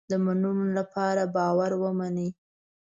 د منلو لپاره باید باور ومني.